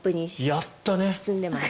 やったね。